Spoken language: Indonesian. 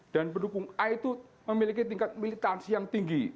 dan pendukung a itu memiliki tingkat militansi yang tinggi